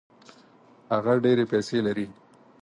هغه ډېري پیسې لري.